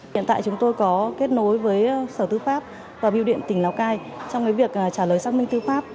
hiện tại chúng tôi có kết nối với sở tư pháp và biêu điện tỉnh lào cai trong việc trả lời xác minh tư pháp